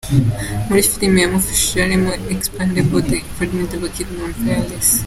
Muri filime yamufashijemo harimo The Expendables, The Forbidden Kingdom na Fearless.